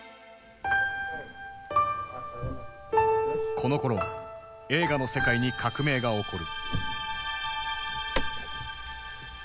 このころ映画の世界に革命が起こる。